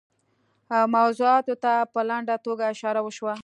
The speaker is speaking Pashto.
موضوعاتو ته په لنډه توګه اشاره شوه.